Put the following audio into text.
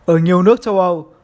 ở nhiều nước châu âu